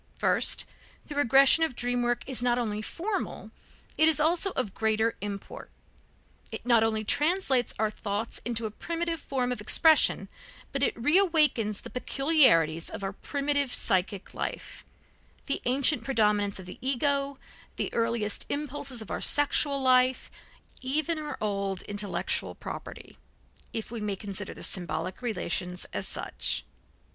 First: the regression of dream work is not only formal, it is also of greater import. It not only translates our thoughts into a primitive form of expression, but it reawakens the peculiarities of our primitive psychic life, the ancient predominance of the ego, the earliest impulses of our sexual life, even our old intellectual property, if we may consider the symbolic relations as such.